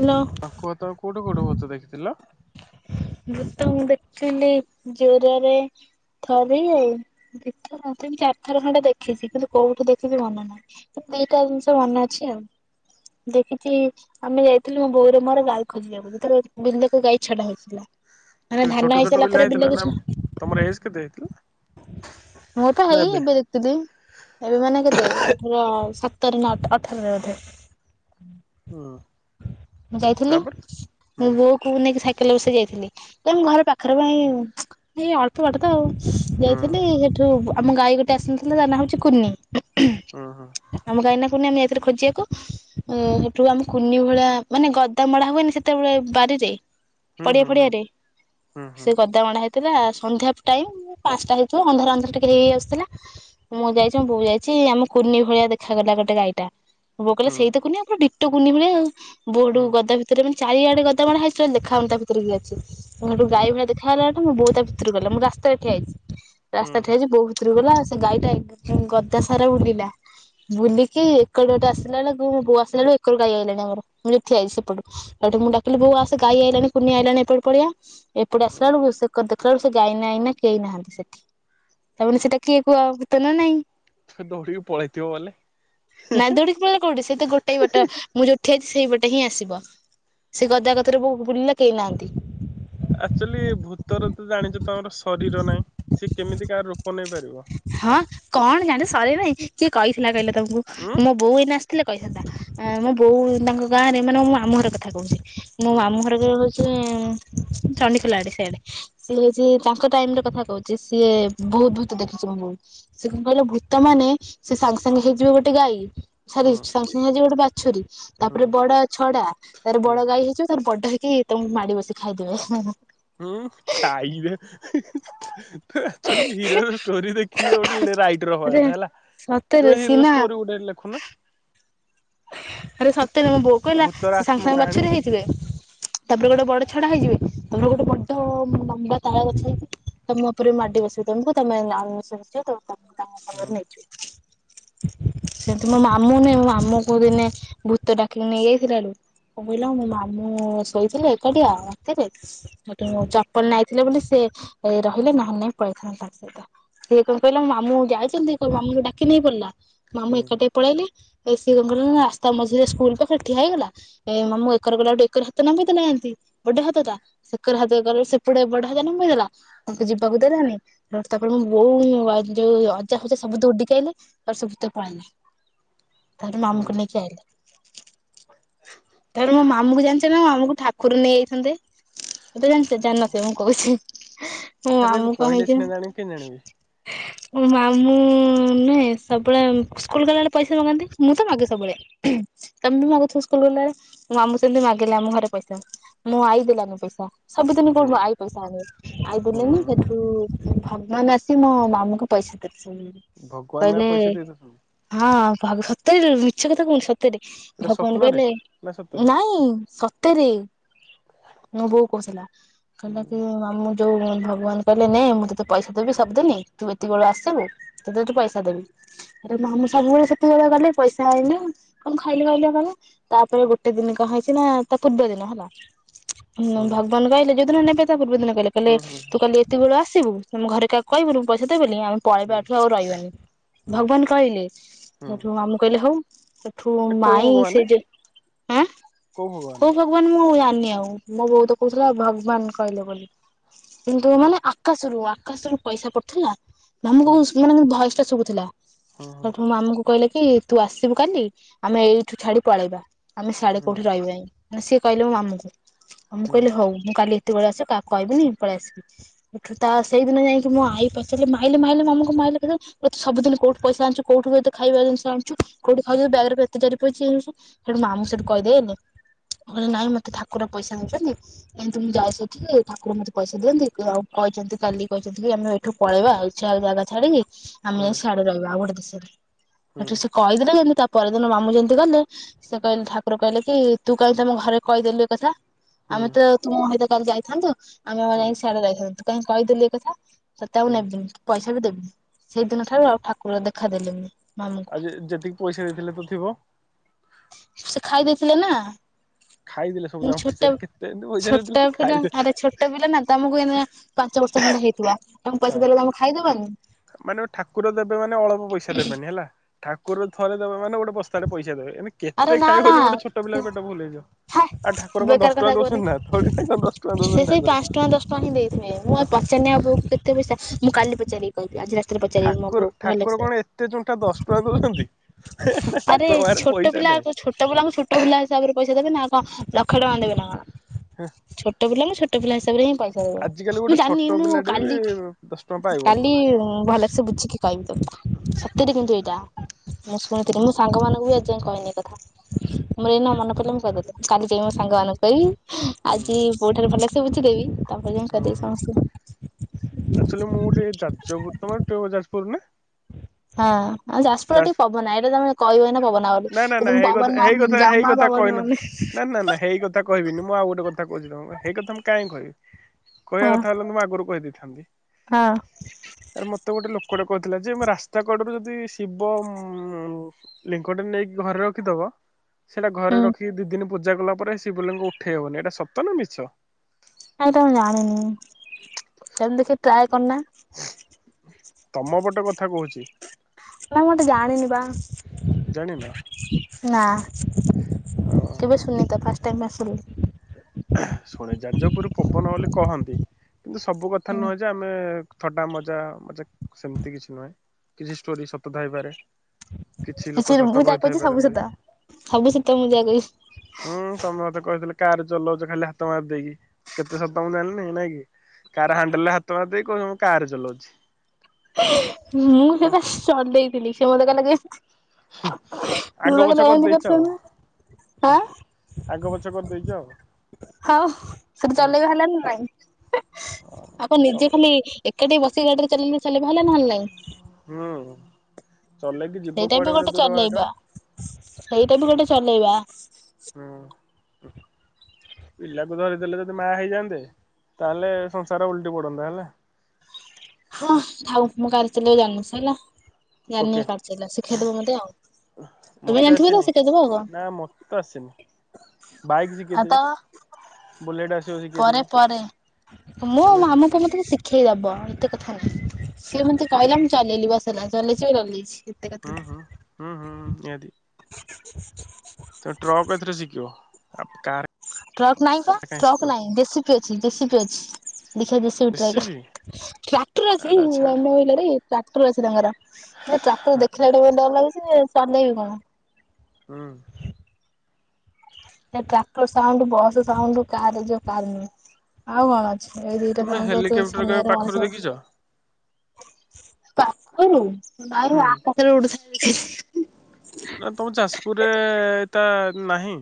Hello ଆ କୁହ ତ କୋଉଠୁ କୋଉଠୁ ବୁତ ଦେଖିଥିଲ ଭୂତ ମୁଁ ଦେଖିଥିଲି ଜୋରରେ ଥରେ ଆଉ ଦିଥର ଏମିତି ଚାରି ଥର ଖଣ୍ଡେ ଦେଖିଛି କିନ୍ତୁ କୋଉଠୁ ଦେଖିଚି ମନେ ନାହିଁ ଏଇ ଦିଟା ଜିନିଷ ମନେ ଅଛି ଆଉ ଦେଖିଛି ଆମେ ଯାଇଥିଲୁ ମୋ ବୋଉର ମୋର ଗାଈ ଖୋଜିବା ଯେତେବେଳେ ବିଲକୁ ଗାଇ ଛଡା ହଉଥିଲା କି ଛୋଟ ଛୋଟ ପିଲା ହେଇଥିଲା ନା ତମର ଏଜ୍ କେତେ ହେଇଥିଲା? ମୁଁ ତ ହେଇ ଏବେ ଏବେ ମାନେ କେତେ ଅଠର ସତର ନା ଅଠର ରେ ବଧେ। ହୁଁ ମୁଁ ଯାଇଥିଲି ତାପରେ ହୁଁ ମୋ ବୋଉକୁ ନେଇକି ସାଇକେଲରେ ବସେଇ ଯାଇଥିଲି। ତମ୍ ଘର ପାଖରେ ପାଇଁ ଏଇ ଅଳ୍ପ ବାଟ ତ ଆଉ ହୁଁ ଯାଇଥିଲି ସେଠୁ ଆମ ଗାଈ ଗୋଟେ ଆସିନଥିଲା ତା ନାଁ ହଉଛି କୁନି। ହୁଁ ହୁଁ ଆମ ଗାାଇନା କୁନି ଆମେ ଯାଇଥିଲୁ ଖୋଜିବାକୁ ହେଠୁ ଆମେ କୁନି ଭଳିଆ ମାନେ ଗଦାମଳା ହୁଏନି ସେତେବେଳେ ବାରିରେ? ପଡିଆ ହୁଁ ହୁଁ ଫଡିଆ ରେ ହୁଁ ହୁଁ ସେ ଗଦାମଣା ହେଇଥିଲା ସନ୍ଧ୍ୟା ଟାଇମ୍ ପାଞ୍ଚଟା ହେଇଥିଲା ଅନ୍ଧାର ଅନ୍ଧାର ଟିକେ ହେଇ ଆସୁଥିଲା। ମୁଁ ଯାଇଛି ମୁଁ ବୋଉ ଯାଇଛି ଆମ କୁନି ଭଳିଆ ଦେଖାଗଲା ଗୋଟେ ଗାଈଟା। ବୋଉ କଇଲା ହୁଁ ହୁଁ ସେଇତ କୁନିଆ ପୁରା ଡିଟୋ କୁନି ଭଳି ଆଉ ବୋଉ ହେଠୁ ହୁଁ ଗଦା ଭିତ ତେରେ ମାନେ ଚାରିଆଡେ ଗଦା ମରା ହେଇଛି ତ ଦେଖା ହେଉନି ତା ଭିତରେ ଅଛି ହେଠୁ ହୁଁ ଗାଇ ଭଳିଆ ଦେ ଖା ହେଲାଠୁ ମୋ ବୋଉ ତା ଭିତରୁ ଗଲା। ମୁଁ ରାସ୍ତା ରେ ଠିଆ ହେଇଛି। ହୁଁ ରାସ୍ତାରେ ଠିଆଇଛି ବୋଉ ଭୁତରୁକୁ ଗଲା ସେ ଗାଈଟା ଗଦା ସାରା ବୁଲିଲା। ବୁଲିକି ଏକଡ ବାଟେ ଆସିଲା ବେଳକୁୁ ମୋ ବୋଉ ଆସିଲା ବେଳୁ ଏକରୁ ଗାଈ ଆଇଲାଣି ଆମର ମୁଁ ଯୋଇଠି ଠିଆହେଇଛି ସେପଟୁ। ହେଟୁ ମୁଁ ଡାକିଲି ବଉ ଆସେ ଗାଈ ଆଇଲାଣି କୁନି ଆଇଲାଣି ଏପଟକୁ ପଳେଇଆ ଏପଟୁ ହୁଁ ଆସିଲା ବେଳକୁ ସେ ଦେଖିଲା ବେଳୁ ସେ ଗାଈ ନାଇ ନା କେହି ନାହାନ୍ତି ସେଠି ତାମାନେ ସେଇଟା କିଏ କୁହ ଭୁତ ନା ନାଇଁ? ଦୌଡିକି ପଳେଇଥିବ ବଲେ? ନାଇଁ ଦୋୖଡିକି ପଳେବ କୋଠି ସେ ତ ଗୋଟେଇ ବାଟ। ମୁଁ ଯଉଠି ଠିଆହେଇଛି ସେଇପଟେ ହିଁ ଆସିବ। ସେ ଗଦାକତିରେ ବୋଉ ବୁଲିଲା କେହି ନାହାନ୍ତି। ଆକ୍ଚୁଆଲି ଭୂତର ତ ଜାଣିଛ ତମର ଶରୀର ନାଇଁ ସି କେମିତି କାହାର ରୂପ ନେଇ ପାରିବ? ହଁ କଣ ଜାଣି ସରୀର ନାଇଁ? କିଏ କହିଥିଲା କହିଲ ତମକୁ? ଉଁ ମୋ ବୋଉ ଏଇନା ଆସିଥିଲେ କହିଥାନ୍ତା। ମୋ ବୋଉ ତାଙ୍କ ଗାଁ ରେ ମାନେ ମୁଁ ଆମ ଘର କଥା କହୁଛି। ମୋ ହୁଁ ମାମୁ ଘର ହଉଛି ଚଣ୍ଡିଖୋଲ ଆଡେ ସିଆଡେ। ସିଏ ହୋଉଛି ତାଙ୍କ ଟାଇମରେ କଥା କହୁଛି ସିଏ ବହୁତ ଭୁତ୍ ତ ଦେଖିଚି ମୋ ବୋଉ। ସେ କଣ କହିଲ ଭୂତ ମାନେ ସେ ସାଙ୍ଗେ ସାଙ୍ଗେ ହେଇଯିବେ ଗୋଟେ ଗାଈ ହୁଁ ସରି ସାଙ୍ଗେ ସାଙ୍ଗେ ହେଇଯିବେ ଗୋଟେ ବାଛୁରୀ ହୁଁ ତାପରେ ବଡ ଛଡା ତାର ହୁଁ ବଡ ଗାଈ ହେଇଯିବେ ତାର ବଡ ହେଇକି ତମକୁ ମାଡି ବସି ଖାଇଦେବେ। ହୁଁ ଖାଇବେ। ଆକ୍ଚୁଆଲି ହିରୋର ଷ୍ଟୋରି ଦେଖିକି ଗୋଟେ ଲେ ରାଇଟର ହବା ଆରେ କଥା ହେଲା। ସତରେ ଯୋ ହିରୋର ସିନା ଷ୍ଟୋରି ଗୋଟେ ହେଲେ ଲେଖୁନ? ଆରେ ସତରେ ମୋ ବୋଉ କହିଲା ଭୂତର ସେ ସାଙ୍ଗ୍ ଆତ୍ମ ସାଙ୍ଗ୍ କାହାଣୀ। ବାଛୁରି ହେଇଯିବେ ତାପରେ ଗୋଟେ ବଡ ଛଡା ହେଇଯିବେ ତାପରେ ଗୋଟେ ବଡ ଲମ୍ବା ତାଳ ଗଛ ହେଇକି ତମ ଉପରେ ମାଡି ବସିବେ ତମକୁ ତମେ ଅଣନିଶ୍ୱାସୀ ହେଇଯିବ ତାପରେ ତା ତାଙ୍କ ସାଙ୍ଗରେ ହୁଁ ନେଇଯିବେ। ସେମିତି ମୋ ନୁହେଁ ମୋ ମାମୁ କୁ ଦିନେ ଭୂତ ଡାକିକି ନେଇଯାଇଥିଲା ଲୋ। କ କହିଲ ମୋ ମାମୁଁ ଶୋଇଥିଲେ ଏକାଟିଆ ରାତିରେ ଗୋଟେ ହୁଁ ଚ ପଲ ନାଇଥିଲେ ବୋଲି ସେ ରହିଲେ ନହେଲେ ନାଇଁ ପଳେଇଥାନ୍ତେ ତାଙ୍କ ସହିତ। ସିଏ କଣ କହିଲ ମୋ ମାମୁଁ ଯାଇଛନ୍ତି ମାମୁ ଙ୍କୁ ଡାକି ନେଇ ପଳେଇଲା ମାମୁ ହୁଁ ଏକାଟିଆ ପଳେଇଲେ ଏ ସିଏ କଣ କଲା ନା ରାସ୍ତା ମଝିରେ ସ୍କୁଲ ପାଖରେ ଠିଆ ହେଇଗଲା। ଏ ମାମୁଁ ଏକରେ ଗଲା ଠୁ ଏକର ହାତ ନମ୍ବେଇ ଦେଲା ଏନ୍ତି ବଡ ହାତ ଟା। ସେକର ହାତ ଗଲେ ସେପଟେ ବଡ ହାତ ନମ୍ବେଇ ଦେଲା ତାଙ୍କୁ ଯିବାକୁ ଦେଲାନି। ତାପରେ ମୋ ବୋଉ ଯୋଉ ଅଜା ଫଜା ସବୁ ଦୌଡିକିଆଇଲେ ତାରେ ସେ ଭୁତ ପଳେଇଲା। ତାରେ ମାମୁ ଙ୍କୁ ହୁଁ। ନେଇକି ଆଇଲେ। ତାପରେ ମୋ ମାମୁଁ କୁ ଜାଣିଛ ନା ମୋ ମାମୁ କୁ ଠାକୁର ନେଇଯାଇଥାନ୍ତେ? ଏଟା ଜାଣିଛ ଜାଣି ନଥିବ ମୁଁ କହୁଛି। ମୋ ଆରେ ମାମୁ କଣ କହିଲେ ହେଇଛି ସିନା ନା ଜାଣିବି କେମିତି ଜାଣିବି। ମୋ ମାମୁଁ ନୁହେଁ ସବୁବେଳେ ସ୍କୁଲ୍ ଗଲାବେଳେ ପଇସା ମାଗନ୍ତି ମୁଁ ତ ମାଗେ ସବୁବେଳେ ତମେ ବି ମାଗୁଥିବ ସ୍କୁଲ ଗଲା ବେଳେ ମୋ ମାମୁ ସେମିତି ମାଗିଲେ ଆମ ଘରେ ପଇସା। ମୋ ଆଇ ଦେଲାନି ପଇସା। ସବୁଦିନ ହୁଁ। କୋଉଠୁ ମୋ ଆଇ ପଇସା ଆଣିବେ? ଆଇ ହୁଁ ଦେଲେନି ସେ ଠୁ ଭଗବାନ ଆସିକି ମୋ ମାମୁଙ୍କୁ ପଇସା ଦେଇଛନ୍ତି। ଭଗବାନ ଏକା ପଇସା ଦେଇଦଉଛନ୍ତି? ହଁ [unintelligible] ସତରେ କହୁଛି ମିଛ କଥା କହୁନି ସ ତରେ ଏଟା ଭଗବାନ ସ୍ୱପ୍ନରେ କହିଲେ ନା ସତରେ? ନାଇଁ ସତରେ। ମୋ ବୋଉ କହୁଥିଲା। କହିଲା ହୁଁ କି ମାମୁ ଯୋଉ ଭଗବାନ କହିଲେ ନେ ମୁଁ ତତେ ପଇସା ଦେବି ସବୁଦିନି ତୁ ଏତିକ ବେଳୁ ଆସିବୁ। ସେତ ତୁ ପଇସା ଦେବି ଆରେ ହଁ ମୁଁ ସବୁବେଳେ ସେତିକ ଯା ଗଲେ। ପଇସା ଆଇଲି [inaudible] କଣ ଖାଇଲି ଖାଇଲି କଣ? ତାପରେ ଗୋଟେ ଦିନ କଣ ହେଇଛି ନା ତା ପୂର୍ବ ଦିନ ହେଲା। ହୁଁ ଭଗବାନ ଗାଇଲେ ଯୋଉ ଦିନ ନେବେ ତା ପୂବ ଦିନ ଗାଇଲେ କହିଲେ ହୁଁ ହୁଁ ତୁ କାଲି ସେତିକି ବେଳ ଆସିବୁ ତମେ ଘରେ କାହା କହିବୁନି ପଇସା ଦେବନି ଆସିବୁ ପଳେଇବାଠୁ ଆଉ ରହିବାନି ହୁଁ ଭଗବାନ। କହିଲେ ହୁଁ। ସେଠୁ ମାମୁଁ କହିଲେ ହଉ ସେଠୁ ଏ କୋଉ ମାଇଁ ଭଗବାନେ ସେ ଯେଁ। କୋଉ ଭଗବାନ। ଭଗବାନ ମୁଁ ଜାଣିନି ଆଉ ମୋ ବୋଉ କହୁଥିଲା ଭଗବାନ କହିଲେ ବୋଲି କିନ୍ତୁ ହଁ ମାନେ ଆକାଶରୁ ଆକାଶରୁ ପଇସା ପଡୁଥିଲା ମାମୁଁ ହୁଁ କ ମାନେ ଭୟସ ଟା ଶୁଭୁଥିଲା। ହୁଁ ସେଠୁ ମାମୁଁ କୁ କହିଲେ କି ତୁ ଆସିବୁ କାଲି ଆମେ ଏଇଠୁ ଛାଡି ପଳେଇବା। ଆମେ ସିଆଡେ ହୁଁ କୋଉଠି ରହିବା ମାନେ ସିଏ କହିଲେ ମୋ ମାମୁଁ କୁ ଆମୁକୁ ହୁଁ କହିଲେ ହଉ ମୁଁ କାଲି। କେତେବେଳେ ଆସି କାହା କହିବୁନି ପଳେଇ ଆସିବୁ। ଏଠୁ ତ ସେଇଦିନ ଯାଇକି ମୁଁ ଆଇ ପଚାରିଲେ ମାଇଲେ ମାଇଲେ ମାମୁଁ ଙ୍କୁ ମାଇଲେ। ସବୁଦିନ କୋଉଠୁ ପଇସା ଆଣୁଛୁ କୋଉଠୁ ଏତ ଖାଇବା ଜିନିଷ। କୋଉଠି ଖାଉଛୁ ବ୍ୟାଗରେ କେତେ ଜରି ପଇଚି ହଉଛି ସେଠୁ ମାମୁଁ ଙ୍କୁ ସେଉଠୁ କହିଦେଲେ। ଟେ ନାଇଁ ମତେ ଠାକୁର ପଇସା ନେଇଛନ୍ତି। ଏମିତି ମୁଁ ଯାଇଥିଲି ଠାକୁର ମତେ ପଇସା ଦିଅନ୍ତି ଆଉ କହିଛନ୍ତି କାଲି କହିଛନ୍ତି କି ଆମେ ସେଠୁ ପଳେଇବା ଆଉ ଚାଲେ ଜାଗା ଛାଡିକି ଆମେ ହୁଁ ସିଆଡେ ରହିବା ଆଉ ଗୋଟେ ଦେଶରେ ହୁଁ ସେଠୁ। କହିଦେଲେ ଯେମିତି ତାପଦିନ ମାମୁଁ ଯେମିତି ଗଲେ ସେ କହିଲେ ଠାକୁର କହିଲେ କି ତୁ କାହିଁ ତମ ଘରେ କହିଦେଲୁ ଏ କଥା। ଆମେ ହୁଁ ତ ତୁମ ସତ କାଲି ଯାଇଥାନ୍ତୁ ଆମେ ହୁଁ ଯାଇକିଆଡେ ଯାଇଥାନ୍ତୁ ତୁ କାହିଁ କହିଦେଲୁ ଏ କଥା। ତତେ ଆଉ ହୁଁ। ନେବିନି ପଇସା ବି ଦେବିନି ସେଇଦିନ ଠାରୁ ଆଉ ଠାକୁର ଦେଖାଦେଲେନି। ଆଜି ଯେତିକି ପଇସା ଦେଇଥିଲେ ତ ଥିବ। ସେ ଖାଇ ଦେଇଥିଲେ ନା। ଖାଇଦେଲେ ସବୁ ମୁଁ ଯାକ ଛୋଟ ପଇସାରେ କେତେ ଏମିତି ପଇସା ଛୋଟ ଦେଇଥିଲେ ପିଲା ଖାଇଦେଲେ। ଆରେ ଛୋଟ ପିଲା ନା ତମକୁ ଏଇନା ପାଞ୍ଚ ବର୍ଷେ ହେଇଥିବ ତମକୁ ପଇସା ହଁ ଦେଲେ ତମେ ଖାଇଦବନି। ମାନେ ଠାକୁର ଦେବେ ମାନେ ଅଳପ ପଇସା ଦେବେନି ହେଲା। ଠାକୁର ଥରେ ଦେବେ ମାନେ ଗୋଟେ ବସ୍ତାଏ ପଇସା ଦେବେ ଆରେ କେତେ ନା ଖାଇବ ନା ଗୋଟେ ଛୋଟ ପିଲାର ପେଟ ଫୁଲୁ ହେଇଯିବ ହେ ଆଉ ଠାକୁର କଣ ବେକାର ଦଶ କଥା ଟଙ୍କା କୁହନି ଦଉଛନ୍ତି ନା ତଥଳି ନାଁ କଣ ଦଶ ଟଙ୍କା ସେ ଦଉଛନ୍ତି ସେଇ ଠାକୁର। ପାଞ୍ଚ ଟଙ୍କା ଦଶ ଟଙ୍କା ହିଁ ମୁଁ ବୋଉ କୁ ପଚାରି ଆ କେତେ ପଇସା ମୁଁ କାଲି ପଚାରିବି। କହି ଆଜି ରାତିରେ ପଚାରିବି ମୋ ଠାକୁର ବୋଉ ଭଲ ଠାକୁର କୁ ସେ। କଣ ଏତେ ଚୁଣ୍ଠା ଦଶ ଟଙ୍କା ଦଉଛନ୍ତି। ଆରେ ଠାକୁର ପାଖରେ ଛୋଟ ପଇସା ପିଲା ଆ ନାହିଁ। କଣ ଛୋଟ ପିଲାଙ୍କୁ ଛୋଟ ପିଲା ହିସାବରେ ପଇସା ଦେବେ ନା କଣ ଲକ୍ଷ ଟଙ୍କା ଦେବେ ନା କଣ। ଛୋଟ ପିଲା ମୁଁ ଛୋଟ ପିଲା ହିସାବରେ ହିଁ ପଇସା ଆଜିକାଲି ଦେବ ଗୋଟେ ମୁଁ ଛୋଟ ଜାଣିନି ମୁଁ ପିଲାଟେ ବି କାଲି ଦଶ ଟଙ୍କା ପାଇବନି କାଲି ତାକୁ। ଭଲସେ ବୁଝିକି କହିବି ତମକୁ ସତରେ କିନ୍ତୁ ଏଇଟା। ମୁଁ ଶୁଣିଥିଲି ହୁଁ ମୁଁ ସାଙ୍ଗମାନଙ୍କୁ ବି ଯାଇ କହିନି କଥା ମୋର ଏଇନା ମନେ ପଡ଼ିଲେ ମୁଁ କହିଦେଲି କାଲି ଯାଇ ମୋ ସାଙ୍ଗମାନଙ୍କୁ କହି। ହୁଁ ଆଜି ବୋଉଠାରୁ ଭଲସେ ବୁଝିଦେବି ତା ପରେ ଯାଇ କରିଦେବି ସମସ୍ତେ ଙ୍କୁ। ଅକୁଚୁଆଲି ମୁଁ ଗୋଟେ ଯାଜପୁର ତମର ଯାଜପୁର ନା? ହଁ ଆଉ ଯାଜପୁର ଯାଜ ଟିକେ ପବନା ଏଟ ତମେ କହିବ ନା ପବନ ଆ। ନା ନା ନା ହେଇ କଥା ହେଇ କଥା ହେଇ କଥା କହିନି ମାନ ନା ନା ନା ହେଇ କଥା। କଥା କହିବି ମୁଁ ଆଉ ଗୋଟ କହୁଛି ତମ ସେ ହେଇ କଥା ମୁଁ କାହିଁ କହିବି। କହିବା ହଁ କଥା ହେଲେ ମୁଁ ଆଗରୁ କହିଦେଇଥାନ୍ତି। ହଁ। ଆରେ ମତେ ଗୋଟେ ଲୋକଟେ କହିଥିଲା ଯେ ରାସ୍ତା କଡରୁ ଯଦି ଶିବଲିଙ୍ଗ ଗୋଟେ ନେଇକି ଘରେ ରଖିଦବ ସେଟା ଘରେ ହୁଁ ରଖି ଦି ଦିନ ପୂଜା କଲା ପରେ ସେ ଶିବଲିଙ୍ଗ କୁ ଉଠେଇ ହବନି ଏଇଟା ସତ ନା ମିଛ? କାଇଁତ ମୁଁ ଜାଣିନି କେମିତି ଦେଖି ଟ୍ରାଏ କରୁନା। ତମ ପଟ କଥା କୋହୁଚି। ନା ମୁଁତ ଜାଣିନି ପା ଜାଣିନ? ନା। ହଁ କେବେ ସୁନି ତ ଫାଷ୍ଟ ଟାଇମ ପାଇଁ ଶୁଣିଲି। ଶୁଣେ ଯାଜପୁର ପବନ ବୋଲି କହନ୍ତି କିନ୍ତୁ ସବୁ କଥା ନୁହେଁ ଯେ ଆମେ ଥଟା ମଜା ମଜାକ୍ ସେମତି କିଛି ନୁହେଁ କିଛି ଷ୍ଟୋରି ସତ ଥାଇ ପାରେ। ଶେଷରେ ମୁଁ ଯାହା କହୁଚି ସବୁ ପାରନ୍ତି। ସତ ସବୁ ସତ ମୁଁ ଯାହା କହୁଚି। ହୁଁ ତମେ ମତେ କହିଥିଲ କାର ଚଲଉଚ ଖାଲି ହାତ ମାରି ଦେଇକି କେତେ ସତ ମୁଁ ଜାଣିନି ନାଇଁ କି। କାର ହାଣ୍ଡେଲ ରେ ହାତ ମାରି ଦେଇ କି କୋଉଚ ମୁଁ କାର ଚଲଉଚି। ମୁଁ ସେଟା ଚଲେଇ ଥିଲି ସେ ମତେ କହିଲା କି ତୁ ତ ଆଗ କହିଲା ପଛ ଏମିତି କରିଦେଇଚ ଆଉ କରିଚନ୍ତି। ଆଁ ଆଗ ପଛ କରିଦେଇଛ। ହଁ ସେଠି ହଁ। ଚଲେଇଵା ହେଲାନି ନା ନାଇଁ। ଆ କଣ ନିଜେ ତମେ ଖାଲି ଏକାଠି ବସିକି ଗାଡିରେ ଚଲେଇ ଲେ ଚାଲିବା ହେଲା ନହେଲେ ନାଇଁ। ହୁଁ ଚଲେଇକି ଯିବ ସେଇଟା ବି କୁଆଡେ ଗୋଟେ ଦୂର ବାଟ। ଚଲେଇବା ସେଇଟା ବି ଗୋଟେ ଚଲେଇବା। ହୁଁ। ପିଲାକୁ ଧରିଦେଲେ ଯଦି ମା ହେଇଯାଆନ୍ତେ ତାହେଲେ ସଂସାର ଓଲଟି ପଡନ୍ତା ହେଲା। ହଁ ଥାଉ ମୁଁ ଗାଡି ଚଲେଇ ଜାଣିନି ସରିଲା ଜାଣିନି ଓକେ ଗାଡି ଚଲା ଶିଖେଇଦବ ମତେ ଆଉ। ତୁମେ ମତେ ଜାଣିଥିବ ତ ଆସିନି ଶିଖେଇଦବ ଆଉ କଣ। ନା ମତେ ତ ଆସିନି ବାଇକ୍ ସିକେଇ ଆଉ କ ତ ଦେବି। ବୁଲେଟ୍ ଆସି ପରେ ପରେ ମୁଁ ଏବେ ମାମୁକୁ ମତେ ଶିଖ ସିଖେଇଦବ ଏତେ କଥା ସିଏ ମତେ କହିଲା ମୁଁ ଚଲେଇଲି ବ ହେଲା ଚଲେଇଛି ଚଲେଇଛି। ଏତେ କଥା ହୁଁ ହୁଁ ହୁଁ ନାହିଁ। ହୁଁ ହୁଁ ନିହାତି। ତମେ ଟ୍ରକ୍ ଏଥିରେ ଶିଖିବ ଆଉ କାର ଟ୍ରକ୍ ନାଇଁ ପା କାହିଁ ଟ୍ରକ୍ ଶିଖିବ ନାହିଁ ଜେସିପି ବିି ଅଛି ଜେସିପି ବିି ଅଛି। ଦେଖିଆ ଜେସିବି ଟ୍ରାଏ କରିବା ଟ୍ରାକ୍ଟର ଅଛି ଏଇ ଆରେ ଛାଡେ [unintelligible] ବିଲରେ ଟ୍ରାକ୍ଟର ଅଛି ତାଙ୍କର। ଏ ଟ୍ରାକ୍ଟର ଦେଖିଲା ଠୁ ଡର ଲାଗୁଛି ମୁଁ ଚଳେଇବି କଣ। ହୁଁ। ସେ tractor sound bus sound car ଯୋଉ କାର ନୁହଁ ଆଉ କଣ ଅ ଏଇ ଦିଇଟା ତୁମେ ହେଲିକପ୍ଟର କେବେ ପାଖରୁ ଦେଖିଛ? ହୁଁ [unintelligible] [unintelligible] ନା ତମ ଯାଜପୁରରେ ଏ ତା ନାହିଁ।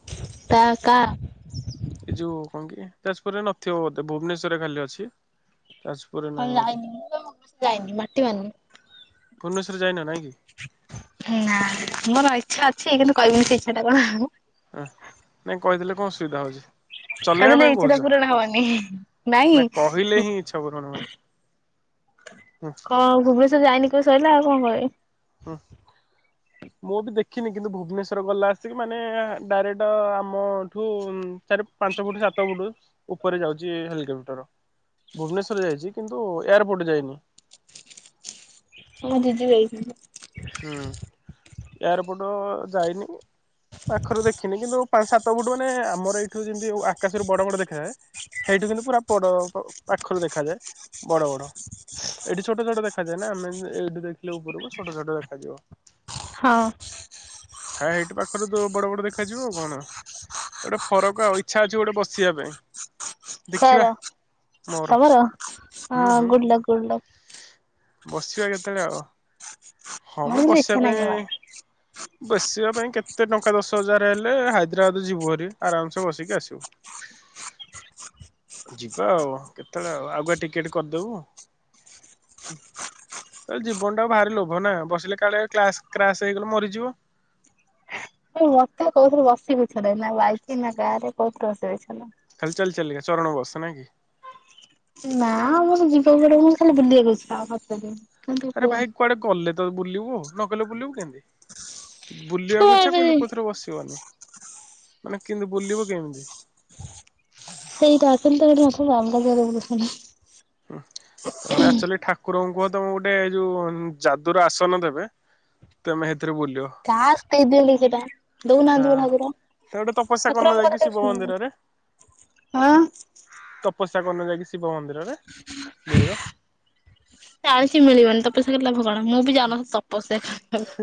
[unintelligible] ଏଇ ଯୋଉ କଣ କିରେ ଯାଜପୁରରେ ନଥିବ ବୋଧେ ଭୁବନେଶରରେ ଖାଲି ଅଛି ଯା ହଁ ଯାଇନି ମୁଁ ତ ଯାଇନି ମାଟି ମାନି ଭୁବନେଶ୍ୱର ଯାଇନ ନାଇଁ କି? ନା ନା ମୋର ଇଚ୍ଛା ଅଛି କିନ୍ତୁ କହିବି ସେ ଇଚ୍ଛା ଟା କଣ। ନାଇଁ କହିଥିଲେ କଣ ସୁବିଧା ହୋଉଛି। ଚଲେଇବା କହିଦେଲେ ପାଇଁ ଏଇ ଇଚ୍ଛା ଟା କୋହୁଛ ପୂରଣ ହବନି। ନାଇଁ ନା କହିଲେ ହିଁ ଇଚ୍ଛା ପୂରଣ ହୁଏ। ହୁଁ କଣ ଭୁବନେଶ୍ଵର ଯାଇନି କ ସରିଲା ଆଉ କଣ କହିବି। ହୁଁ। ମୁଁ ବି ଦେଖିନି କିନ୍ତୁ ଭୁବନେଶ୍ଵର ଗଲା ଆସିକି ମାନେ ଡାଇରେକ୍ଟ ଆମ ଏଠୁ ଚାରି ପାଞ୍ଚ ଫୁଟ ସାତ ଫୁଟ ଉପରେ ଯାଉଛି ହେଲିକପ୍ଟର। ଭୁବନେଶ୍ୱର ଯାଇଛି କିନ୍ତୁ ଏୟାରପୋର୍ଟ ଯାଇନି। ମୋ ଦିଦି ଯାଇଥିଲା। ହୁଁ ଏୟାରପୋର୍ଟ ଯାଇନି। ପାଖରୁ ଦେଖିନି କିନ୍ତୁ ପାଞ୍ଚ, ସାତ ଫୁଟ ମାନେ ଆମର ଏଇଠୁ ଯେମିତି ଆକାଶରୁ ବଡ ବଡ ଦେଖାଯାଏ ସେଇଟୁ କିନ୍ତୁ ପୁରା ପଡ ପାଖରୁ ଦେଖାଯାଏ। ବଡ ବଡ ଏଠି ଛୋଟ ଛୋଟ ଦେଖାଯାଏ ନାଁ ଆମେ ଏଇଠୁ ଦେଖିଲେ ଉପରକୁ ଛୋଟ ଛୋଟ ଆସିଯିବ ହଁ ହାଇଟ ପାଖରୁ ତ ବଡ ବଡ ଦେଖାଯିବ ଆଉ କଣ। ଗୋଟେ ଫରକ ଆଉ ଇଚ୍ଛା ଅଛି ଗୋଟେ ବସିବା ପାଇଁ ଦେଖିବା କାର ମୋର ତମର ହୁଁ ହଁ ହୁଁ ଗୁଡଲକ, ଗୁଡଲକ ବସିବା କେତେବେଳେ ଆଉ ହଁ ମୋର ମଁ କିନ୍ତୁ ବସିବା ଇଚ୍ଛା ନାହିଁ ଜମା। ପାଇଁ ବସିବା ପାଇଁ କେତେ ଟଙ୍କା ଦଶ ହଜାର ହେଲେ ହାଇଦ୍ରାବାଦ ଯିବୁ ହାରି ଆରାମସେ ବସିକି ଆସିବୁ। [inaudible] ଯିବା ଆଉ କେତେବେଳେ ଆଉ ଆଗୁଆ ଟିକେଟ କରିଦବୁ। ତା ଜୀବନଟାକୁ ଭାରି ଲୋଭ ନାଁ ବସିଲେ କାଳେ କ୍ଲାସ କ୍ରାସ୍ ହେଇଗଲେ ମରିଯିବ। ମତେ କୋଉଥିରେ ବସିଵାକୁ ଇଛା ନାଇ, ନାଁ ବାଇକ ନାଁ କାରେ କୋଉଥିରେ ବସିଵାକୁ ଇଚ୍ଛା ନାହିଁ। ଖାଲି ଚାଲି ଚାଲିକା ଚରଣ ବସ ନାଇଁ କି। ନାଁ ଆଉ ମଁ ସେ ଯିଵ କୁଆଡେ ମୋର ଖାଲି ବୁଲିବାକୁ ଇଚ୍ଛା ହପତାରେ। ଆରେ ଭାଇ କୁଆଡେ ଗଲେ ତ ବୁଲିବୁ ନ ଗଲେ ବୁଲିବୁ କେଏଁତି ବୁଲିବାକୁ ଇଛା କିନ୍ତୁ କୋଉଁଥିରେ ବସିବନି। ମାନେ କିନ୍ତି ବୁଲିବ କେମିତି? ସେଇଟା ଆଶୁନି ତ ଏଇଠି ଆସୁନୁ [unintelligible] ହଁ ତମେ ଆକଚୁଆଲି ଠାକ ଠାକୁରଙ୍କୁୁ କୁହ ତମକୁ ଗୋଟେ ଯୋଉଁ ଯାଦୁର ଆସନ ଦେବେ ତେମେ ସେଥିରେ ବୁଲିବ। କାଶ ଦେଇଦିଅନ୍ତି କି ସେଟା ଦଉନାହାଁନ୍ତି ମୋ ହଁ। ଭାଉଜଟା ସେ ଗୋଟେ ତପସ୍ୟା ଠାକୁର କରୁନ ଯାଇକି ଆମକଥା କେବେ ଶିବ ମନ୍ଦିରରେ ଶୁଣିନାହାଁନ୍ତି। ଆଁ ତପସ୍ୟା କରୁନୁ ଯାଇକି ଶିବ ମନ୍ଦିରରେ ମିଳିବ। ଜାଣିଛି ମିଳିବନି ତପସ୍ୟା କରି ଲାଭ କଣ ମୁଁ ବି ଜାଉନଥିଲି ତପସ୍ୟା କରିବାକୁ।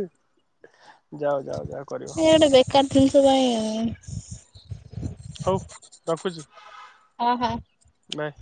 ଯାାଅ ଯାଅ ଯାଅ କରିବ। ହେ ଗୋଟେ ବେକାର ଜିନିଷ ପାଇଁ ହଉ ରଖୁଛି, ହଁ ହଁ। ବାଏ।